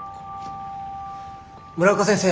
村岡先生。